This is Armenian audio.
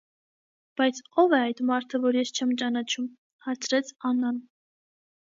- Բայց ո՞վ է այդ մարդը, որ ես չեմ ճանաչում,- հարցրեց Աննան: